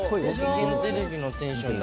きげんテレビのテンションだ。